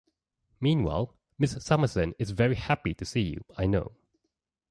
Meanwhile, Miss Summerson is very happy to see you, I know.